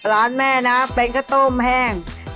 ร้านแม่น่ะเปรนท์ขสโต้มแห่ง